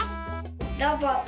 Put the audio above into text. ロボット。